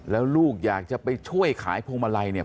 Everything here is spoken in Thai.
แล้วลูกอยากจะไปช่วยขายพวงมาลัยเนี่ย